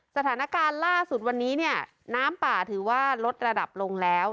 สถานการณ์ล่าสุดวันนี้เนี่ยน้ำป่าถือว่าลดระดับลงแล้ว